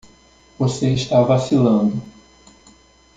Você está vacilando.